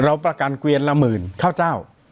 ประกันเกวียนละหมื่นข้าวเจ้า